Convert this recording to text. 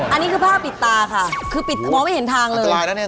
อันนี้คือผ้าปิดตาค่ะคือปิดมองไม่เห็นทางเลย